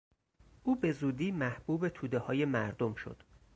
او به زودی محبوب تودههای مردم شد.